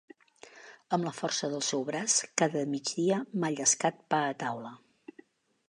Amb la força del seu braç cada migdia m’ha llescat pa a taula.